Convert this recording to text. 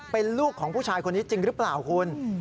เป็นลูกของผู้ชายคนนี้จริงหรือเปล่าคุณ